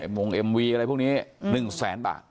มวงเอ็มวีอะไรพวกนี้๑๐๐๐๐๐บาท